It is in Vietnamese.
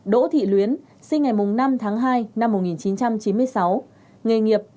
một mươi một đỗ thị luyến sinh ngày năm tháng hai năm một nghìn chín trăm chín mươi sáu nghề nghiệp